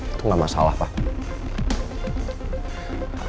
itu gak masalah papa